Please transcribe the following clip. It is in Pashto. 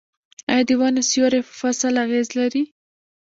آیا د ونو سیوری په فصل اغیز لري؟